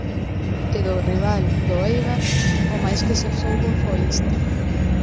E do rival, do Éibar, o máis que se soubo foi isto.